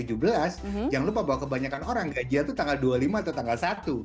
jangan lupa bahwa kebanyakan orang gajian itu tanggal dua puluh lima atau tanggal satu